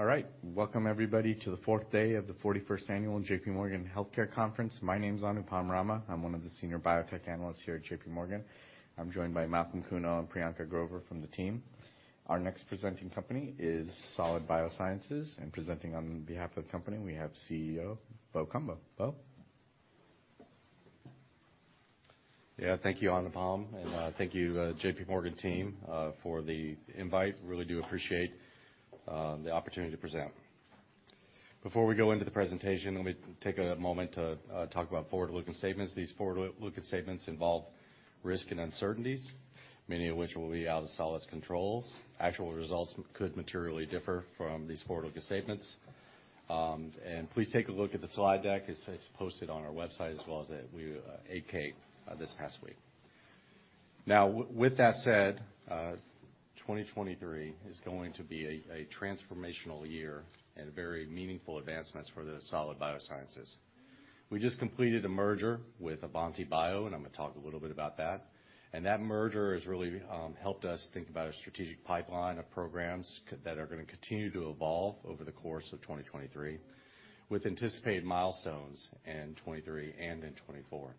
All right. Welcome, everybody, to the fourth day of the 41st annual JPMorgan Healthcare Conference. My name's Anupam Rama. I'm one of the senior biotech analysts here at JPMorgan. I'm joined by Malcolm Kuno and Priyanka Grover from the team. Our next presenting company is Solid Biosciences, and presenting on behalf of the company, we have CEO, Bo Cumbo. Bo? Thank you, Anupam. Thank you, JPMorgan team, for the invite. Really do appreciate the opportunity to present. Before we go into the presentation, let me take a moment to talk about forward-looking statements. These forward-looking statements involve risk and uncertainties, many of which will be out of Solid's controls. Actual results could materially differ from these forward-looking statements. Please take a look at the slide deck. It's posted on our website as well as the 8-K this past week. With that said, 2023 is going to be a transformational year and very meaningful advancements for the Solid Biosciences. We just completed a merger with AavantiBio, and I'm gonna talk a little bit about that. That merger has really helped us think about a strategic pipeline of programs that are gonna continue to evolve over the course of 2023, with anticipated milestones in 2023 and in 2024.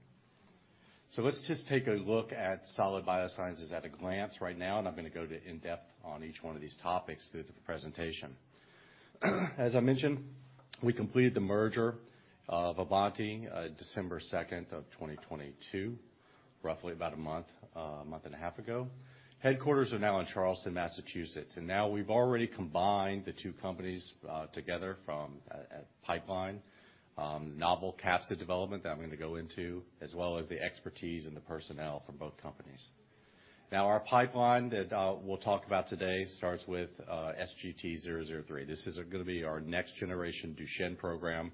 Let's just take a look at Solid Biosciences at a glance right now, and I'm gonna go to in-depth on each one of these topics through the presentation. As I mentioned, we completed the merger of AavantiBio, December 2nd of 2022, roughly about a month, a month and a half ago. Headquarters are now in Charlestown, Massachusetts. Now we've already combined the two companies together from a pipeline, novel capsid development that I'm gonna go into, as well as the expertise and the personnel from both companies. Now, our pipeline that we'll talk about today starts with SGT-003. This is gonna be our next generation Duchenne program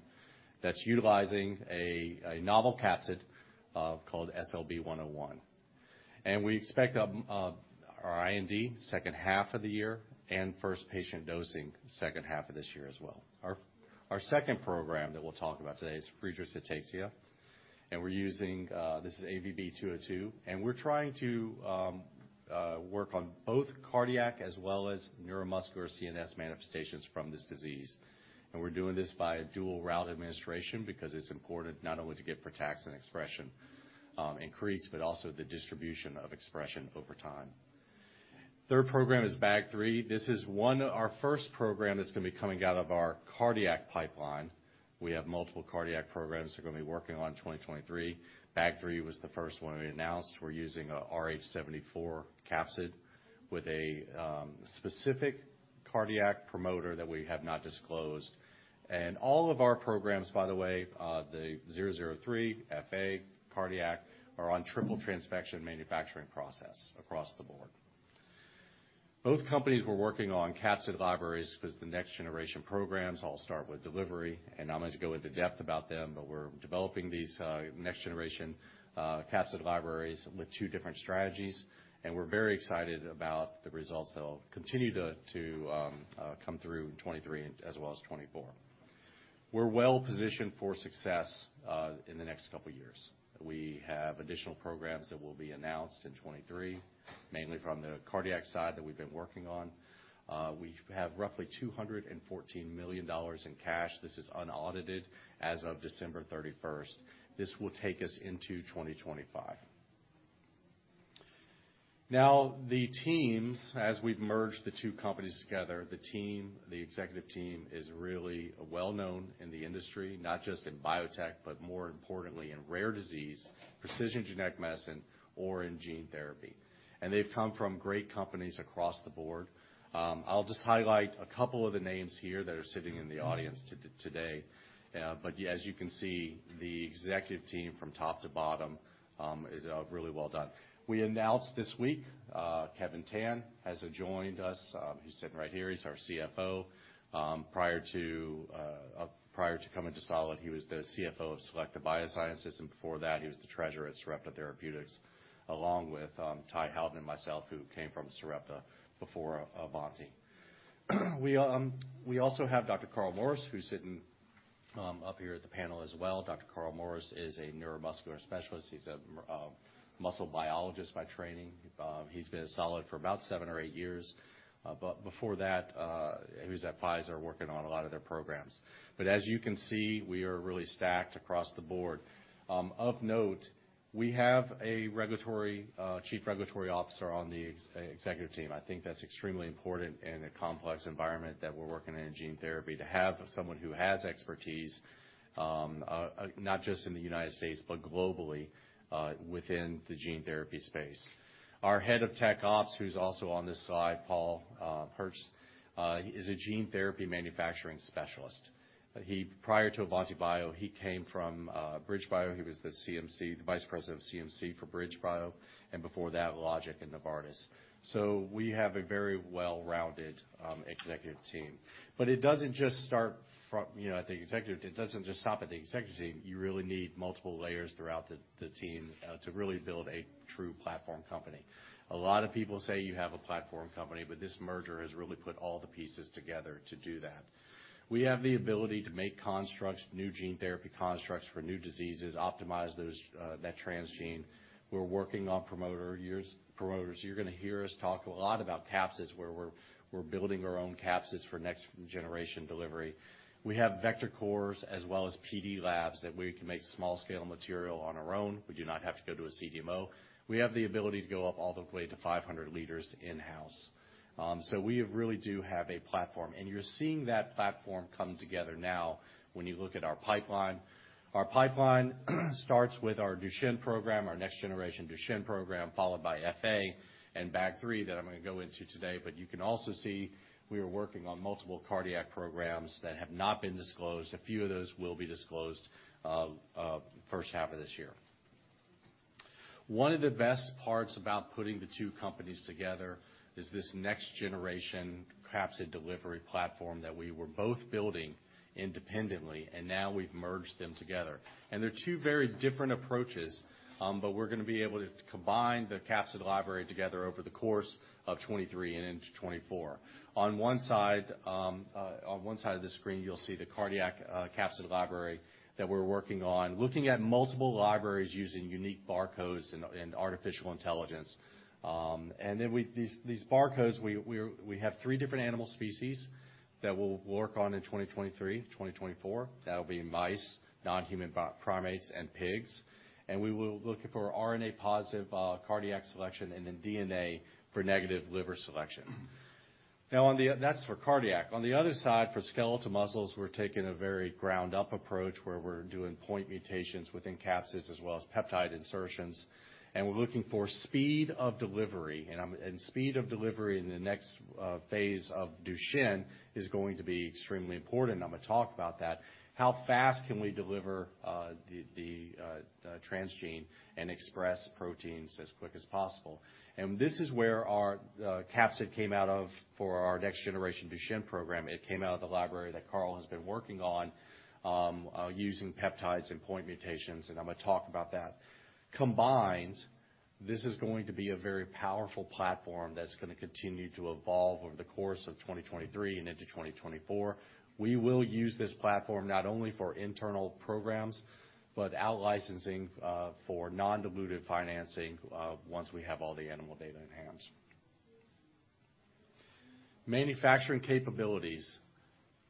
that's utilizing a novel capsid called SLB101. We expect our IND second half of the year and first patient dosing second half of this year as well. Our second program that we'll talk about today is Friedreich's Ataxia, we're using this is AVB-202, we're trying to work on both cardiac as well as neuromuscular CNS manifestations from this disease. We're doing this by a dual route administration because it's important not only to get frataxin expression increase, but also the distribution of expression over time. Third program is BAG3. This is our first program that's gonna be coming out of our cardiac pipeline. We have multiple cardiac programs we're gonna be working on in 2023. BAG3 was the first one we announced. We're using a RH74 capsid with a specific cardiac promoter that we have not disclosed. All of our programs, by the way, the SGT-003, FA, cardiac, are on triple transfection manufacturing process across the board. Both companies were working on capsid libraries 'cause the next generation programs all start with delivery. I'm not gonna go into depth about them, but we're developing these next generation capsid libraries with two different strategies, and we're very excited about the results that will continue to come through in 2023 as well as 2024. We're well positioned for success in the next couple years. We have additional programs that will be announced in 2023, mainly from the cardiac side that we've been working on. We have roughly $214 million in cash. This is unaudited as of December 31st. This will take us into 2025. The teams, as we've merged the two companies together, the team, the executive team is really well-known in the industry, not just in biotech, but more importantly in rare disease, precision genetic medicine, or in gene therapy. They've come from great companies across the board. I'll just highlight a couple of the names here that are sitting in the audience today. As you can see, the executive team from top to bottom, is really well done. We announced this week, Kevin Tan has joined us. He's sitting right here. He's our CFO. Prior to coming to Solid, he was the CFO of Selecta Biosciences, and before that, he was the treasurer at Sarepta Therapeutics, along with Ty Howton and myself, who came from Sarepta before AavantiBio. We also have Dr. Carl Morris, who's sitting up here at the panel as well. Dr. Carl Morris is a neuromuscular specialist. He's a muscle biologist by training. He's been at Solid for about seven or eight years. Before that, he was at Pfizer working on a lot of their programs. As you can see, we are really stacked across the board. Of note, we have a regulatory Chief Regulatory Officer on the executive team. I think that's extremely important in a complex environment that we're working in gene therapy to have someone who has expertise, not just in the United States, but globally, within the gene therapy space. Our head of tech ops, who's also on this slide, Paul Herzich, he's a gene therapy manufacturing specialist. Prior to AavantiBio, he came from BridgeBio. He was the CMC, the vice president of CMC for BridgeBio, and before that, Logic and Novartis. We have a very well-rounded executive team. It doesn't just stop at the executive team. You really need multiple layers throughout the team to really build a true platform company. A lot of people say you have a platform company, but this merger has really put all the pieces together to do that. We have the ability to make constructs, new gene therapy constructs for new diseases, optimize those that transgene. We're working on promoters. You're gonna hear us talk a lot about capsids, where we're building our own capsids for next-generation delivery. We have vector cores as well as PD labs that we can make small-scale material on our own. We do not have to go to a CDMO. We have the ability to go up all the way to 500 liters in-house. We really do have a platform, and you're seeing that platform come together now when you look at our pipeline. Our pipeline starts with our Duchenne program, our next-generation Duchenne program, followed by FA and BAG3 that I'm gonna go into today. You can also see we are working on multiple cardiac programs that have not been disclosed. A few of those will be disclosed first half of this year. One of the best parts about putting the two companies together is this next-generation capsid delivery platform that we were both building independently, and now we've merged them together. They're two very different approaches, but we're gonna be able to combine the capsid library together over the course of 2023 and into 2024. On one side of the screen, you'll see the cardiac capsid library that we're working on, looking at multiple libraries using unique barcodes and artificial intelligence. Then with these barcodes, we have three different animal species that we'll work on in 2023, 2024. That'll be mice, non-human primates, and pigs. Looking for RNA-positive cardiac selection and then DNA for negative liver selection. That's for cardiac. On the other side, for skeletal muscles, we're taking a very ground-up approach, where we're doing point mutations within capsids as well as peptide insertions, and we're looking for speed of delivery. Speed of delivery in the next phase of Duchenne is going to be extremely important, and I'm gonna talk about that. How fast can we deliver the transgene and express proteins as quick as possible? This is where our capsid came out of for our next-generation Duchenne program. It came out of the library that Carl has been working on, using peptides and point mutations. I'm gonna talk about that. Combined, this is going to be a very powerful platform that's gonna continue to evolve over the course of 2023 and into 2024. We will use this platform not only for internal programs, but out-licensing, for non-dilutive financing, once we have all the animal data in hand. Manufacturing capabilities.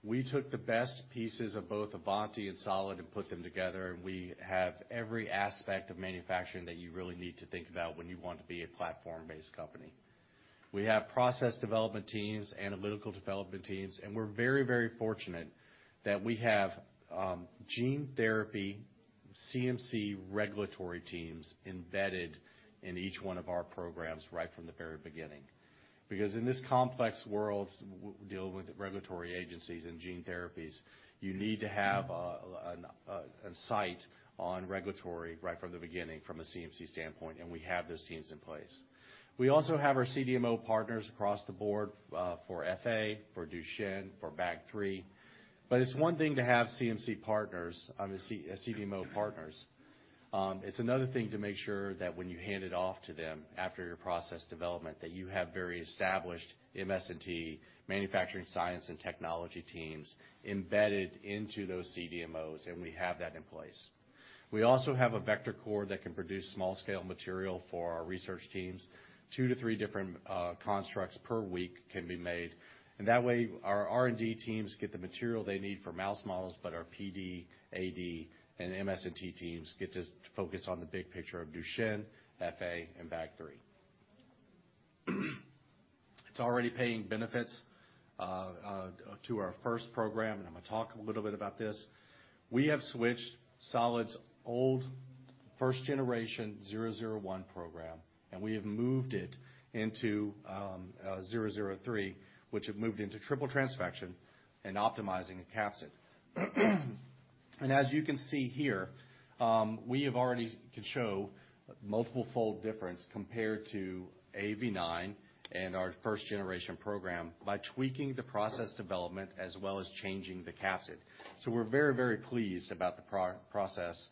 We took the best pieces of both Avanti and Solid and put them together. We have every aspect of manufacturing that you really need to think about when you want to be a platform-based company. We have process development teams, analytical development teams, and we're very, very fortunate that we have gene therapy CMC regulatory teams embedded in each one of our programs right from the very beginning. In this complex world dealing with regulatory agencies and gene therapies, you need to have a sight on regulatory right from the beginning from a CMC standpoint, and we have those teams in place. We also have our CDMO partners across the board for FA, for Duchenne, for BAG3. It's one thing to have CMC partners, CDMO partners. It's another thing to make sure that when you hand it off to them after your process development, that you have very established MS&T, manufacturing science and technology teams, embedded into those CDMOs, and we have that in place. We also have a vector core that can produce small-scale material for our research teams. Two to three different constructs per week can be made. That way, our R&D teams get the material they need for mouse models, but our PD, AD, and MS&T teams get to focus on the big picture of Duchenne, FA, and BAG3. It's already paying benefits to our first program, and I'm gonna talk a little bit about this. We have switched Solid's old first-generation zero zero one program, and we have moved it into zero zero three, which have moved into triple transfection and optimizing a capsid. As you can see here, we have already can show multiple-fold difference compared to AAV9 and our first-generation program by tweaking the process development as well as changing the capsid. We're very pleased about the process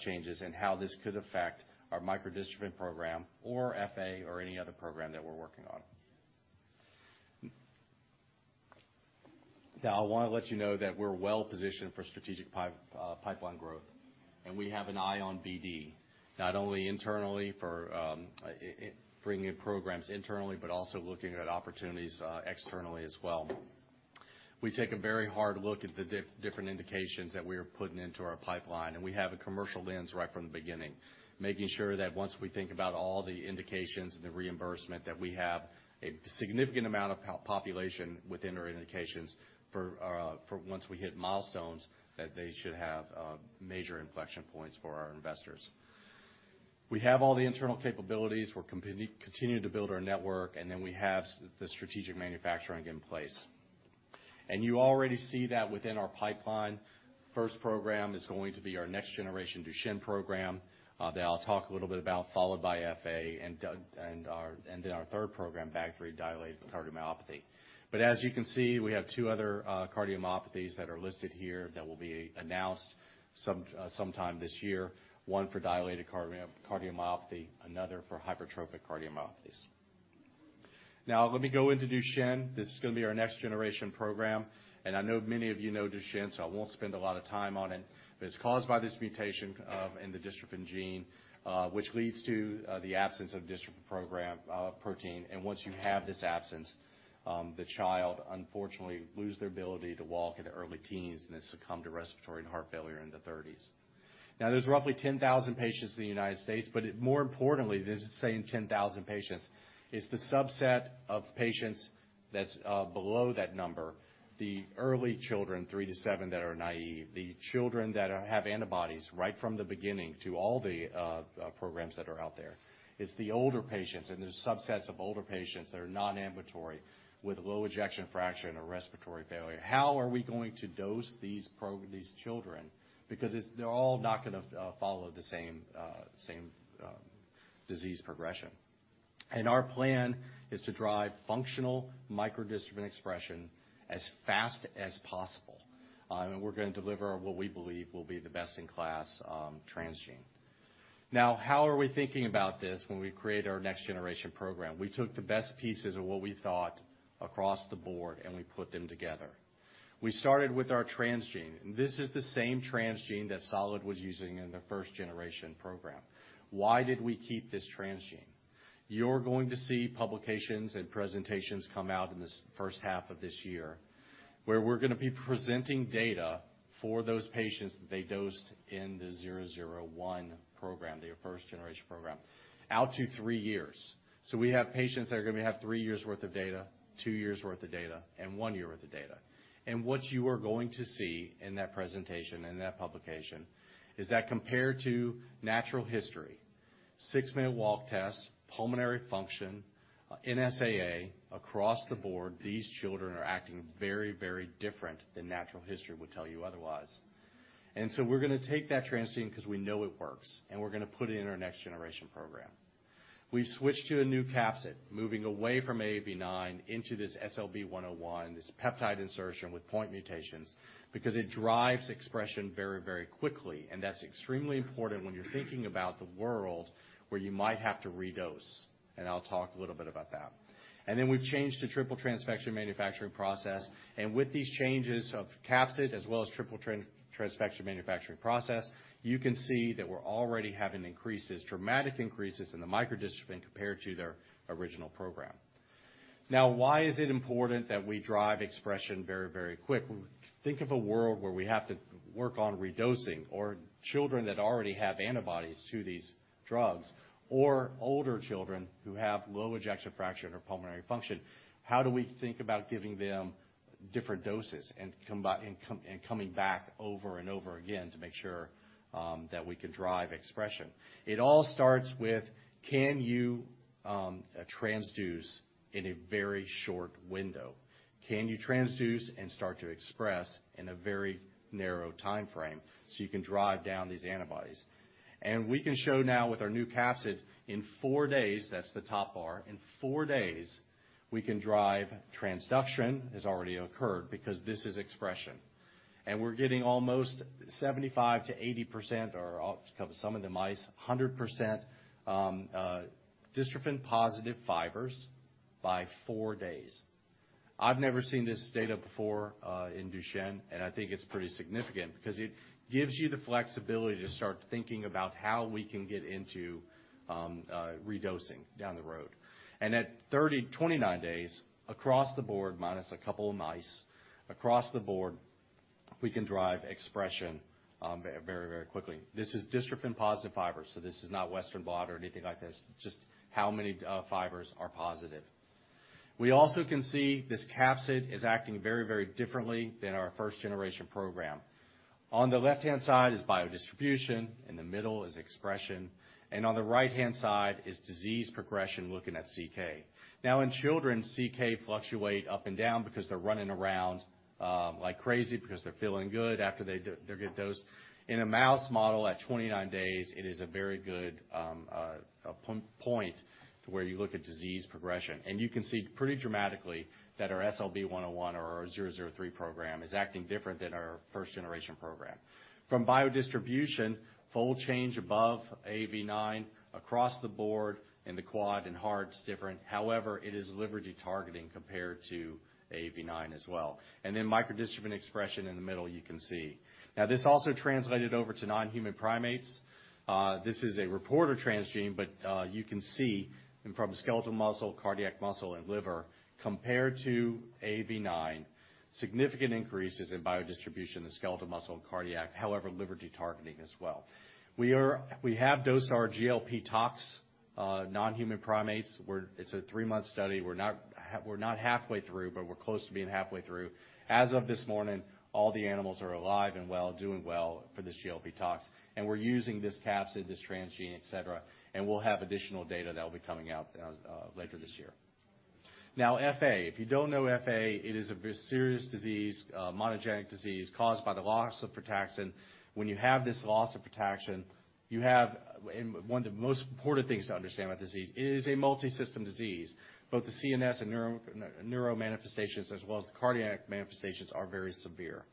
changes and how this could affect our microdystrophin program or FA or any other program that we're working on. I wanna let you know that we're well positioned for strategic pipeline growth, and we have an eye on BD, not only internally for bringing in programs internally, but also looking at opportunities externally as well. We take a very hard look at the different indications that we are putting into our pipeline, and we have a commercial lens right from the beginning, making sure that once we think about all the indications and the reimbursement, that we have a significant amount of population within our indications for once we hit milestones, that they should have major inflection points for our investors. We have all the internal capabilities. We're continuing to build our network, and then we have the strategic manufacturing in place. You already see that within our pipeline. First program is going to be our next-generation Duchenne program that I'll talk a little bit about, followed by FA and our third program, BAG3 dilated cardiomyopathy. As you can see, we have two other cardiomyopathies that are listed here that will be announced sometime this year, one for dilated cardiomyopathy, another for hypertrophic cardiomyopathies. Let me go into Duchenne. This is going to be our next-generation program, and I know many of you know Duchenne, so I won't spend a lot of time on it. It's caused by this mutation in the dystrophin gene, which leads to the absence of dystrophin program protein. Once you have this absence, the child unfortunately lose their ability to walk in their early teens and then succumb to respiratory and heart failure in their thirties. There's roughly 10,000 patients in the United States, but more importantly than saying 10,000 patients is the subset of patients that's below that number, the early children, three to seven, that are naive. The children that have antibodies right from the beginning to all the programs that are out there. It's the older patients, and there's subsets of older patients that are non-ambulatory with low ejection fraction or respiratory failure. How are we going to dose these children? Because they're all not gonna follow the same disease progression. Our plan is to drive functional micro-dystrophin expression as fast as possible. We're gonna deliver what we believe will be the best-in-class transgene. How are we thinking about this when we create our next-generation program? We took the best pieces of what we thought across the board. We put them together. We started with our transgene. This is the same transgene that Solid was using in their first-generation program. Why did we keep this transgene? You're going to see publications and presentations come out in this first half of this year where we're going to be presenting data for those patients that they dosed in the 001 program, their first-generation program, out to three years. We have patients that are going to have three years' worth of data, two years' worth of data, and one year worth of data. What you are going to see in that presentation and in that publication is that compared to natural history, six-minute walk test, pulmonary function, NSAA, across the board, these children are acting very, very different than natural history would tell you otherwise. We're gonna take that transgene 'cause we know it works, and we're gonna put it in our next-generation program. We've switched to a new capsid, moving away from AAV9 into this SLB-101, this peptide insertion with point mutations, because it drives expression very, very quickly, and that's extremely important when you're thinking about the world where you might have to redose, and I'll talk a little bit about that. We've changed to triple transfection manufacturing process. With these changes of capsid as well as triple transfection manufacturing process, you can see that we're already having increases, dramatic increases, in the micro-dystrophin compared to their original program. Now, why is it important that we drive expression very, very quick? Think of a world where we have to work on redosing or children that already have antibodies to these drugs or older children who have low ejection fraction or pulmonary function. How do we think about giving them different doses and coming back over and over again to make sure that we can drive expression? It all starts with, can you transduce in a very short window? Can you transduce and start to express in a very narrow timeframe, so you can drive down these antibodies? We can show now with our new capsid in four days, that's the top bar, in four days, we can drive transduction, has already occurred, because this is expression. We're getting almost 75%-80% or some of the mice, 100%, dystrophin positive fibers by four days. I've never seen this data before, in Duchenne, I think it's pretty significant because it gives you the flexibility to start thinking about how we can get into redosing down the road. At 30, 29 days, across the board, minus a couple of mice, across the board, we can drive expression very, very quickly. This is dystrophin-positive fibers, so this is not Western blot or anything like this, just how many fibers are positive. We also can see this capsid is acting very, very differently than our first-generation program. On the left-hand side is biodistribution, in the middle is expression, and on the right-hand side is disease progression, looking at CK. In children, CK fluctuate up and down because they're running around like crazy because they're feeling good after they get dosed. In a mouse model, at 29 days, it is a very good point to where you look at disease progression. You can see pretty dramatically that our SLB101 or our 003 program is acting different than our first-generation program. From biodistribution, fold change above AAV9 across the board in the quad and heart is different. However, it is liver detargeting compared to AAV9 as well. Micro-dystrophin expression in the middle, you can see. Now, this also translated over to non-human primates. This is a reporter transgene, but you can see from skeletal muscle, cardiac muscle, and liver, compared to AAV9, significant increases in biodistribution in the skeletal muscle and cardiac, however, liver detargeting as well. We have dosed our GLP tox non-human primates, where it's a three-month study. We're not halfway through, but we're close to being halfway through. As of this morning, all the animals are alive and well, doing well for this GLP tox, and we're using this capsid, this transgene, et cetera, and we'll have additional data that'll be coming out later this year. FA, if you don't know FA, it is a very serious disease, monogenic disease caused by the loss of frataxin. When you have this loss of frataxin, you have. One of the most important things to understand about disease, it is a multisystem disease. Both the CNS and neuro manifestations, as well as the cardiac manifestations are very severe.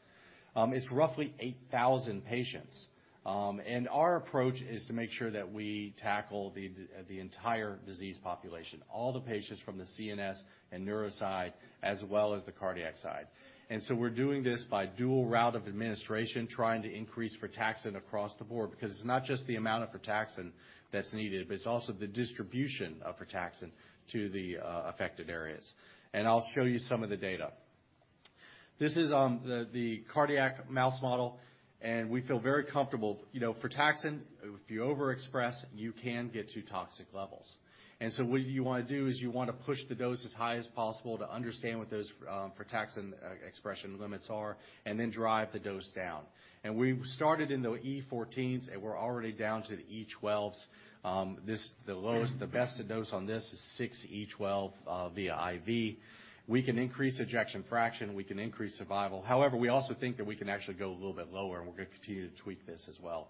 It's roughly 8,000 patients. Our approach is to make sure that we tackle the entire disease population, all the patients from the CNS and neuro side as well as the cardiac side. We're doing this by dual route of administration, trying to increase frataxin across the board, because it's not just the amount of frataxin that's needed, but it's also the distribution of frataxin to the affected areas. I'll show you some of the data. This is on the cardiac mouse model, and we feel very comfortable. You know, frataxin, if you overexpress, you can get to toxic levels. What you wanna do is you wanna push the dose as high as possible to understand what those frataxin expression limits are and then drive the dose down. We started in the E 14s, and we're already down to the E 12s. This, the lowest, the best dose on this is 6E12 via IV. We can increase ejection fraction. We can increase survival. We also think that we can actually go a little bit lower, and we're gonna continue to tweak this as well.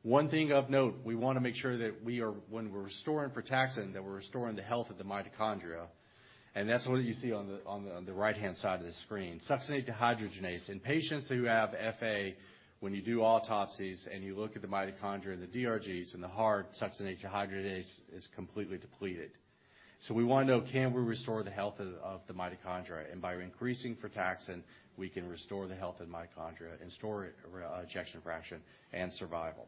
One thing of note, we wanna make sure that when we're restoring frataxin, that we're restoring the health of the mitochondria, and that's what you see on the right-hand side of the screen. Succinate dehydrogenase. In patients who have FA, when you do autopsies, and you look at the mitochondria and the DRGs in the heart, succinate dehydrogenase is completely depleted. We wanna know, can we restore the health of the mitochondria? By increasing frataxin, we can restore the health of mitochondria and restore ejection fraction and survival.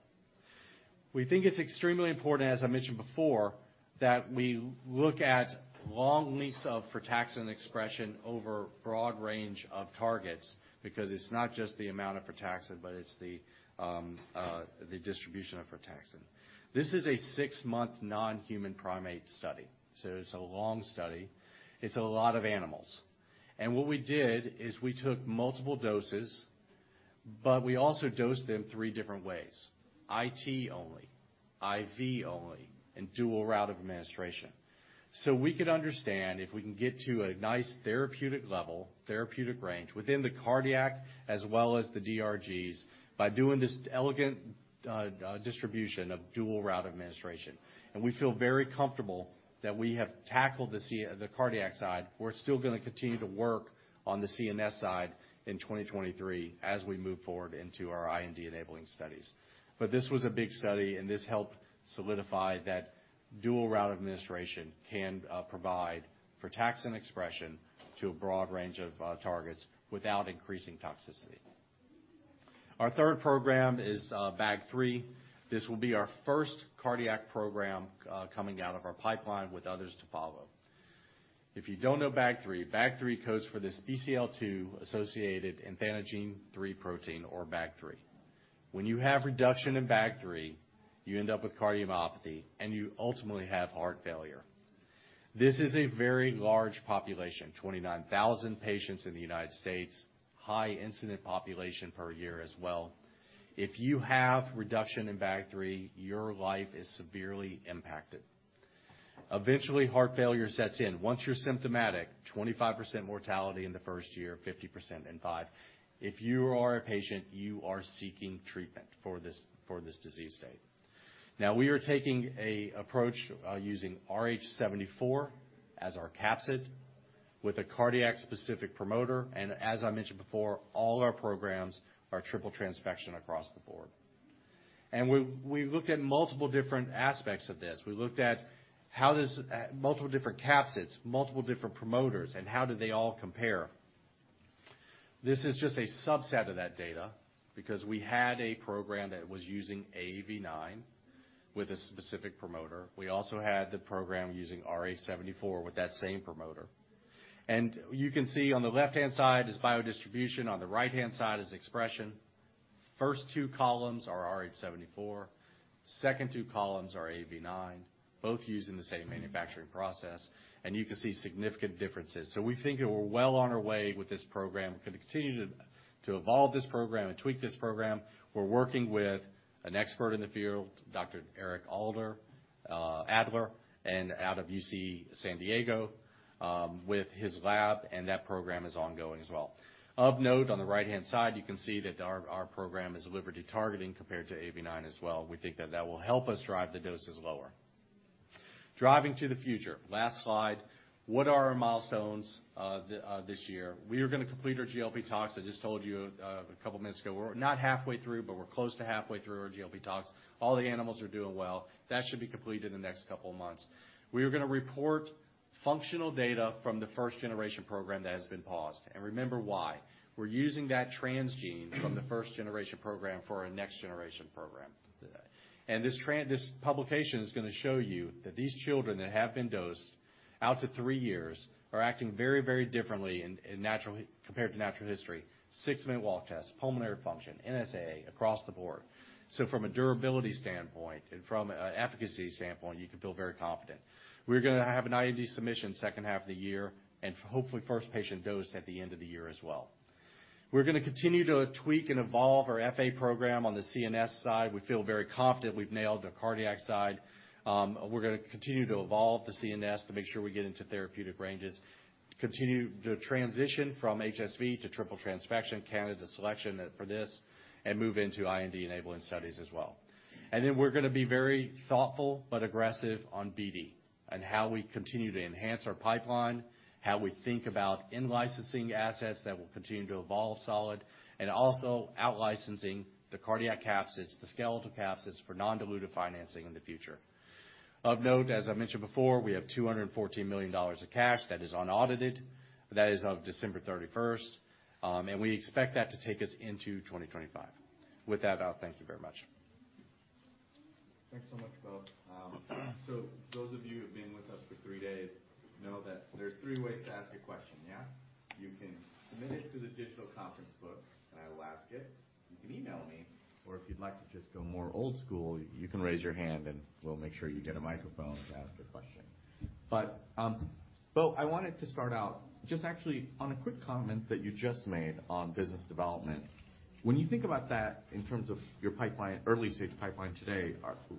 We think it's extremely important, as I mentioned before, that we look at long lengths of frataxin expression over broad range of targets, because it's not just the amount of frataxin, but it's the distribution of frataxin. This is a six-month non-human primate study, it's a long study. It's a lot of animals. What we did is we took multiple doses, but we also dosed them three different ways: IT only, IV only, and dual route of administration. We could understand if we can get to a nice therapeutic level, therapeutic range within the cardiac as well as the DRGs by doing this elegant distribution of dual route administration. We feel very comfortable that we have tackled the cardiac side. We're still gonna continue to work on the CNS side in 2023 as we move forward into our IND-enabling studies. This was a big study, and this helped solidify that dual route of administration can provide frataxin expression to a broad range of targets without increasing toxicity. Our third program is BAG3. This will be our first cardiac program coming out of our pipeline with others to follow. If you don't know BAG3 codes for this Bcl-2-associated athanogene 3 protein or BAG3. When you have reduction in BAG3, you end up with dilated cardiomyopathy, and you ultimately have heart failure. This is a very large population, 29,000 patients in the United States, high incident population per year as well. If you have reduction in BAG3, your life is severely impacted. Eventually, heart failure sets in. Once you're symptomatic, 25% mortality in the first year, 50% in five. If you are a patient, you are seeking treatment for this disease state. We are taking a approach using RH74 as our capsid with a cardiac specific promoter. As I mentioned before, all our programs are triple transfection across the board. We looked at multiple different aspects of this. We looked at multiple different capsids, multiple different promoters, and how do they all compare? This is just a subset of that data because we had a program that was using AAV9 with a specific promoter. We also had the program using RH74 with that same promoter. You can see on the left-hand side is biodistribution. On the right-hand side is expression. First two columns are RH74, second two columns are AAV9, both using the same manufacturing process, and you can see significant differences. We think that we're well on our way with this program. We're gonna continue to evolve this program and tweak this program. We're working with an expert in the field, Dr. Eric Adler, out of UC San Diego, with his lab, and that program is ongoing as well. Of note, on the right-hand side, you can see that our program is liver de-targeting compared to AAV9 as well. We think that that will help us drive the doses lower. Driving to the future, last slide. What are our milestones this year? We are gonna complete our GLP tox. I just told you, a couple minutes ago, we're not halfway through, but we're close to halfway through our GLP tox. All the animals are doing well. That should be completed in the next couple of months. We are gonna report functional data from the first-generation program that has been paused. Remember why. We're using that transgene from the first-generation program for our next-generation program. This publication is gonna show you that these children that have been dosed out to three years are acting very, very differently in compared to natural history, six-minute walk test, pulmonary function, NSAA across the board. From a durability standpoint and from an efficacy standpoint, you can feel very confident. We're gonna have an IND submission second half of the year and hopefully first patient dose at the end of the year as well. We're gonna continue to tweak and evolve our FA program on the CNS side. We feel very confident we've nailed the cardiac side. We're gonna continue to evolve the CNS to make sure we get into therapeutic ranges, continue to transition from HSV to triple transfection, candidate selection for this, and move into IND-enabling studies as well. We're gonna be very thoughtful but aggressive on BD, on how we continue to enhance our pipeline, how we think about in-licensing assets that will continue to evolve Solid, and also out-licensing the cardiac capsids, the skeletal capsids for non-dilutive financing in the future. Of note, as I mentioned before, we have $214 million of cash that is unaudited. That is of December 31st. We expect that to take us into 2025. With that, I'll thank you very much. Thanks so much, Bo. Those of you who've been with us for three days know that there's three ways to ask a question, yeah? You can submit it to the digital conference book, I will ask it. You can email me, if you'd like to just go more old school, you can raise your hand, we'll make sure you get a microphone to ask the question. Bo, I wanted to start out just actually on a quick comment that you just made on business development. When you think about that in terms of your pipeline, early-stage pipeline today,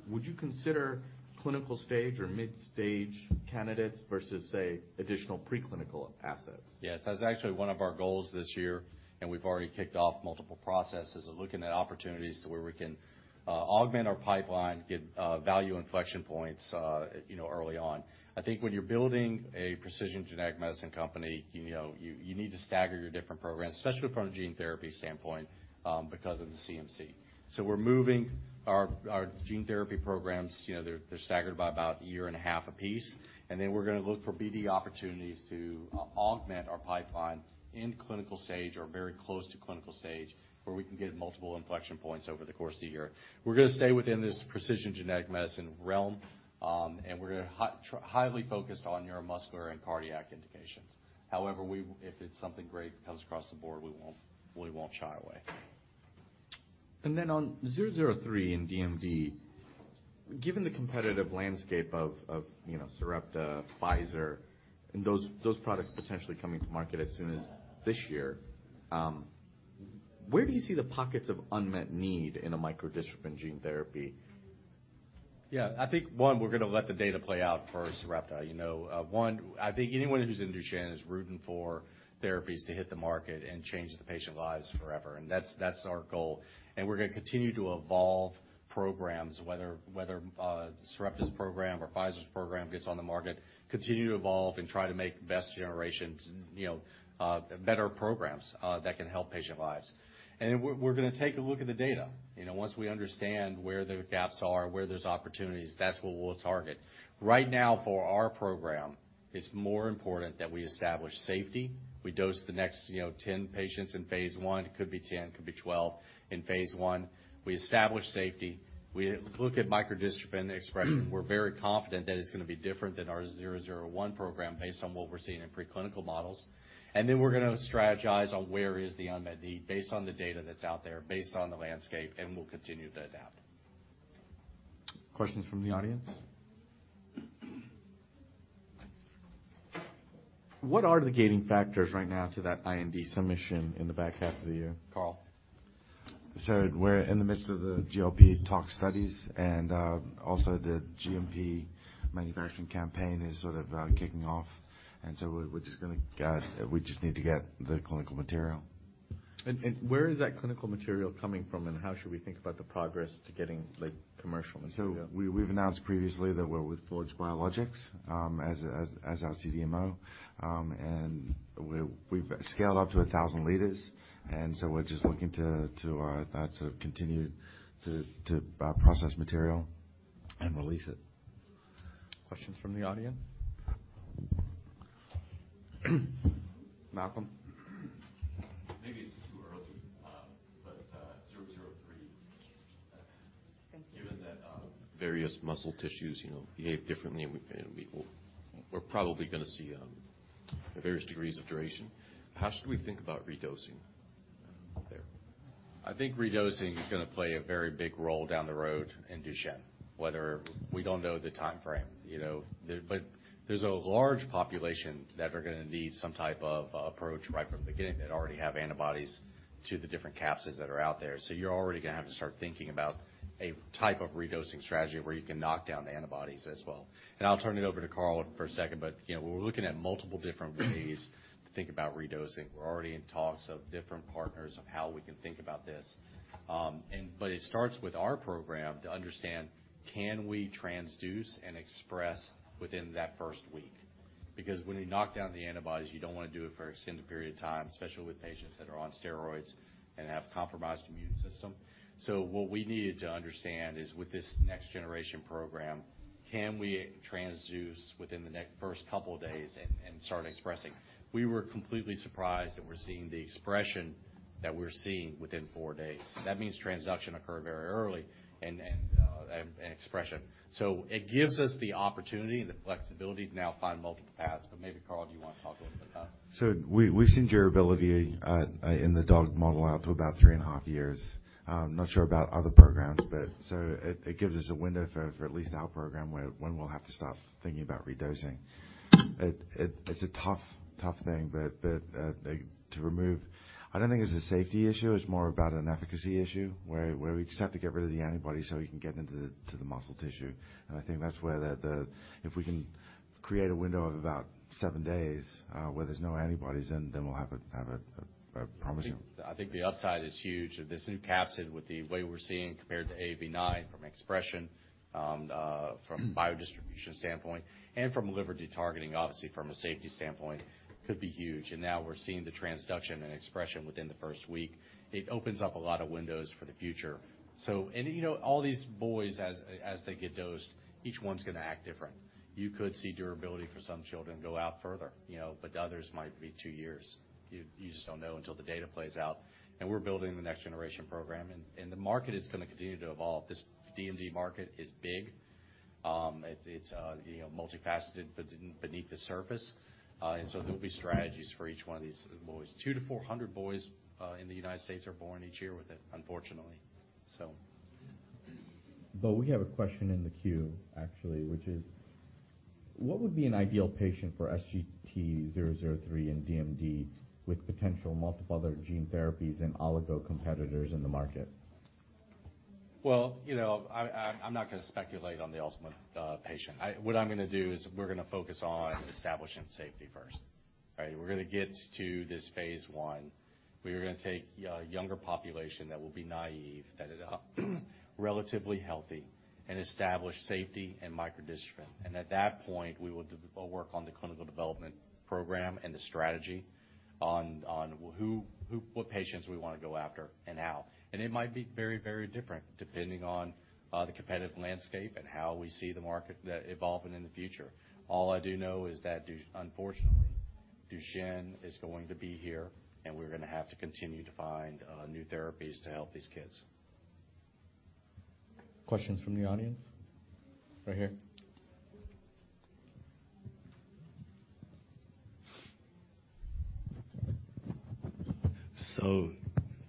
would you consider clinical stage or mid-stage candidates versus, say, additional preclinical assets? Yes. That's actually one of our goals this year, and we've already kicked off multiple processes of looking at opportunities to where we can augment our pipeline, get value inflection points, you know, early on. I think when you're building a precision genetic medicine company, you know, you need to stagger your different programs, especially from a gene therapy standpoint, because of the CMC. We're moving our gene therapy programs, you know, they're staggered by about 1.5 years apiece, and then we're gonna look for BD opportunities to augment our pipeline in clinical stage or very close to clinical stage, where we can get multiple inflection points over the course of the year. We're gonna stay within this precision genetic medicine realm, and we're gonna highly focused on neuromuscular and cardiac indications. If it's something great comes across the board, we won't shy away. On 003 in DMD, given the competitive landscape of, you know, Sarepta, Pfizer, and those products potentially coming to market as soon as this year, where do you see the pockets of unmet need in a micro-dystrophin gene therapy? Yeah. I think, one, we're gonna let the data play out for Sarepta. You know, one, I think anyone who's into Duchenne is rooting for therapies to hit the market and change the patient lives forever, and that's our goal. We're gonna continue to evolve programs whether Sarepta's program or Pfizer's program gets on the market, continue to evolve and try to make best generations, you know, better programs that can help patient lives. We're gonna take a look at the data. You know, once we understand where the gaps are, where there's opportunities, that's what we'll target. Right now for our program, it's more important that we establish safety. We dose the next, you know, 10 patients in phase I. It could be 10, could be 12 in phase I. We establish safety. We look at micro-dystrophin expression. We're very confident that it's gonna be different than our Zero Zero One program based on what we're seeing in preclinical models. Then we're gonna strategize on where is the unmet need based on the data that's out there, based on the landscape, we'll continue to adapt. Questions from the audience? What are the gating factors right now to that IND submission in the back half of the year? Carl. We're in the midst of the GLP toxicology studies and also the GMP manufacturing campaign is sort of kicking off. We just need to get the clinical material. Where is that clinical material coming from, and how should we think about the progress to getting the commercial material? We've announced previously that we're with Forge Biologics, as our CDMO. We've scaled up to 1,000 liters, we're just looking to that to continue to process material and release it. Questions from the audience? Malcolm? Maybe it's too early, but, 003... Excuse me. Thank you. Given that, various muscle tissues, you know, behave differently and we're probably gonna see, various degrees of duration, how should we think about redosing out there? I think redosing is gonna play a very big role down the road in Duchenne, whether. We don't know the timeframe, you know. There's a large population that are gonna need some type of approach right from the beginning that already have antibodies to the different capsids that are out there. You're already gonna have to start thinking about a type of redosing strategy where you can knock down the antibodies as well. I'll turn it over to Carl for a second, but, you know, we're looking at multiple different ways to think about redosing. We're already in talks of different partners of how we can think about this. It starts with our program to understand, can we transduce and express within that first week? When you knock down the antibodies, you don't wanna do it for extended period of time, especially with patients that are on steroids and have compromised immune system. What we needed to understand is with this next generation program, can we transduce within the next first couple of days and start expressing? We were completely surprised that we're seeing the expression that we're seeing within four days. That means transduction occur very early and expression. It gives us the opportunity, the flexibility to now find multiple paths. Maybe, Carl, do you wanna talk a little bit about that? We've seen durability in the dog model out to about 3.5 years. I'm not sure about other programs, but it gives us a window for at least our program where we'll have to start thinking about redosing. It's a tough thing, but to remove. I don't think it's a safety issue, it's more about an efficacy issue where we just have to get rid of the antibody so we can get into the muscle tissue. I think that's where if we can create a window of about seven days where there's no antibodies, then we'll have a I think the upside is huge of this new capsid with the way we're seeing compared to AAV9 from expression, from biodistribution standpoint and from liver detargeting, obviously from a safety standpoint, could be huge. Now we're seeing the transduction and expression within the first week. It opens up a lot of windows for the future. You know, all these boys as they get dosed, each one's gonna act different. You could see durability for some children go out further, you know, but others might be two years. You just don't know until the data plays out. We're building the next generation program and the market is gonna continue to evolve. This DMD market is big. It's, you know, multifaceted but beneath the surface. There'll be strategies for each one of these boys. Two to 400 boys, in the United States are born each year with it, unfortunately. Bo, we have a question in the queue actually, which is: What would be an ideal patient for SGT-003 in DMD with potential multiple other gene therapies and oligo competitors in the market? Well, you know, I'm not gonna speculate on the ultimate patient. What I'm gonna do is we're gonna focus on establishing safety first, right? We're gonna get to this phase I. We are gonna take a younger population that will be naive, that are relatively healthy, and establish safety and micro distribution. At that point, we will work on the clinical development program and the strategy on who what patients we wanna go after and how. It might be very, very different depending on the competitive landscape and how we see the market evolving in the future. All I do know is that unfortunately, Duchenne is going to be here, and we're gonna have to continue to find new therapies to help these kids. Questions from the audience? Right here.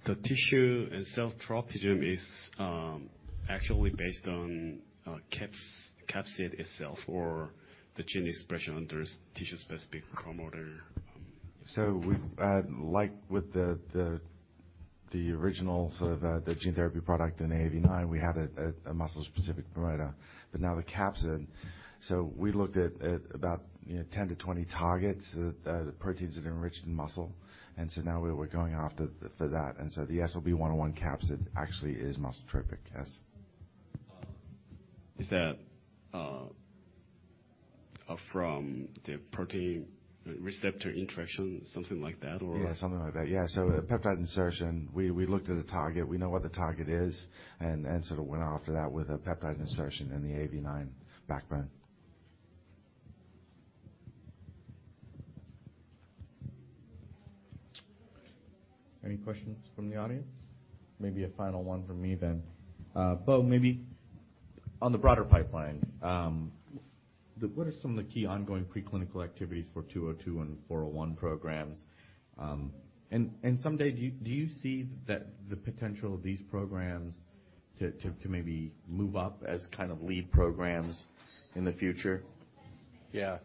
The tissue and cell tropism is actually based on capsid itself or the gene expression under tissue specific promoter. We, like with the original sort of, the gene therapy product in AAV9, we had a muscle-specific promoter, but now the capsid. We looked at about, you know, 10 to 20 targets, the proteins that enriched in muscle. Now we're going after for that. The SLB101 capsid actually is muscle tropic. Yes. Is that from the protein receptor interaction, something like that or? Yeah, something like that. Yeah. Peptide insertion, we looked at the target. We know what the target is and sort of went after that with a peptide insertion in the AAV9 backbone. Any questions from the audience? Maybe a final one from me then. Bo, maybe on the broader pipeline, what are some of the key ongoing preclinical activities for AVB-202 and SGT-401 programs? Someday, do you see that the potential of these programs to maybe move up as kind of lead programs in the future? Yeah.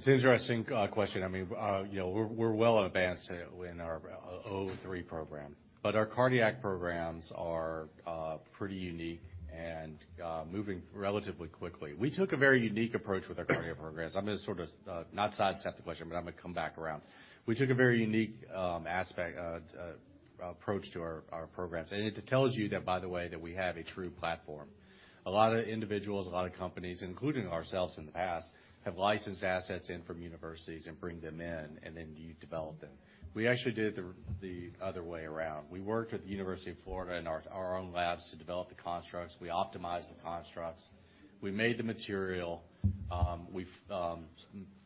It's interesting question. I mean, you know, we're well advanced in our SGT-003 program, but our cardiac programs are pretty unique and moving relatively quickly. We took a very unique approach with our cardiac programs. I'm gonna sort of not sidestep the question, but I'm gonna come back around. We took a very unique aspect, approach to our programs. It tells you that, by the way, that we have a true platform. A lot of individuals, a lot of companies, including ourselves in the past, have licensed assets in from universities and bring them in, and then you develop them. We actually did it the other way around. We worked with the University of Florida in our own labs to develop the constructs. We optimized the constructs. We made the material. We've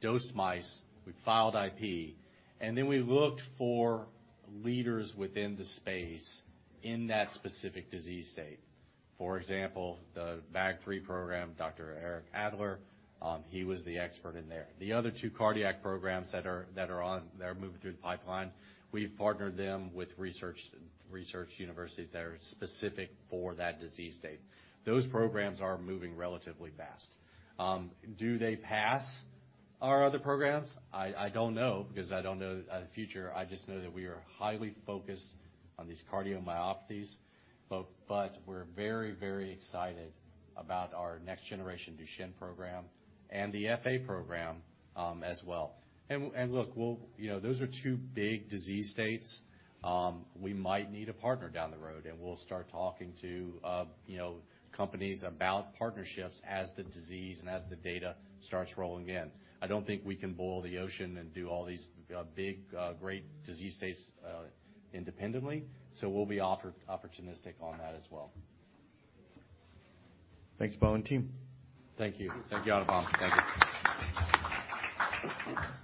dosed mice. We've filed IP, then we looked for leaders within the space in that specific disease state. For example, the BAG3 program, Dr. Eric Adler, he was the expert in there. The other two cardiac programs that are moving through the pipeline, we've partnered them with research universities that are specific for that disease state. Those programs are moving relatively fast. Do they pass our other programs? I don't know because I don't know the future. I just know that we are highly focused on these cardiomyopathies, but we're very excited about our next generation Duchenne program and the FA program as well. Look, you know, those are two big disease states. We might need a partner down the road, and we'll start talking to, you know, companies about partnerships as the disease and as the data starts rolling in. I don't think we can boil the ocean and do all these, big, great disease states, independently. We'll be opportunistic on that as well. Thanks, Bo and team. Thank you. Thank you, Anupam. Thank you.